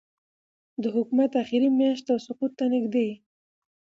د حکومت آخري میاشت او سقوط ته نږدې